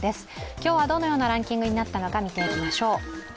今日はどのようなランキングになったのか見ていきましょう。